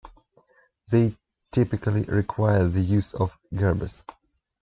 They typically require the use of gerbes.